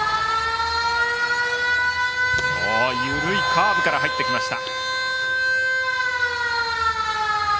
緩いカーブから入ってきました。